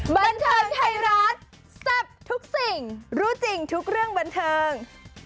บันเทิงไทยรัฐแซ่บทุกสิ่งรู้จริงทุกเรื่องบันเทิง